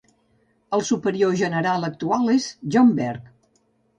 El Superior General actual és John Berg.